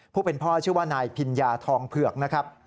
ผู้เป็นพ่อชื่อว่านายพิญญาทองเผือกนะครับ